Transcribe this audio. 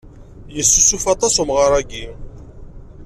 Yessusuf aṭas umɣar-agi.